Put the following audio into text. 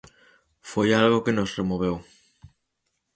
Foi algo que nos removeu.